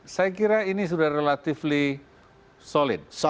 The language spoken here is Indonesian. saya kira ini sudah relatif solid